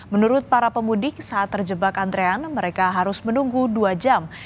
menurut para pemudik saat terjebak antrean mereka harus menunggu dua jam